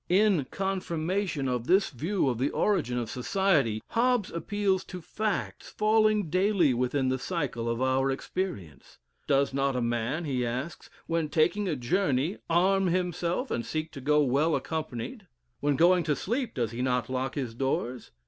In confirmation of this view of the origin of society, Hobbes appeals to facts falling daily within the cycle of our experience. "Does not a man, (he asks) when taking a journey, arm himself, and seek to go well accompanied? When going to sleep, does he not lock his doors?